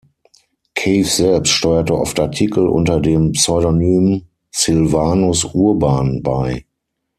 Cave selbst steuerte oft Artikel unter dem Pseudonym Sylvanus Urban bei.